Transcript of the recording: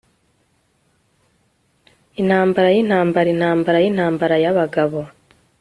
intambara yintambara, intambara yintambara yabagabo